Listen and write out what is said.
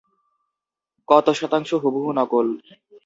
কত শতাংশ হুবহু নকল?